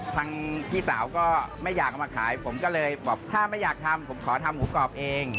ทางพี่สาวก็ไม่อยากเอามาขายผมก็เลยบอกถ้าไม่อยากทำผมขอทำหมูกรอบเอง